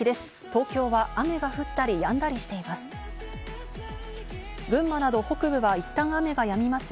東京は雨が降ったりやんだりしています。